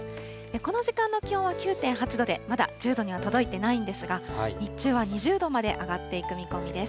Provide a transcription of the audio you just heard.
この時間の気温は９．８度で、まだ１０度には届いてないんですが、日中は２０度まで上がっていく見込みです。